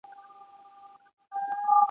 دا وینا له دومره پوچو الفاظو ..